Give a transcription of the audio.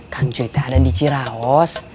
kang encuy tuh ada di ciraos